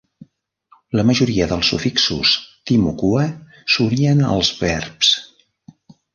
La majoria dels sufixos Timucua s'unien als verbs.